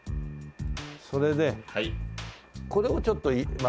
それでこれをちょっとまず１つ。